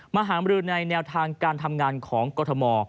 หามรือในแนวทางการทำงานของกรทม